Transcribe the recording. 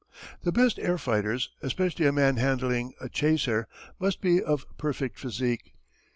The best air fighters, especially a man handling a chaser, must be of perfect physique.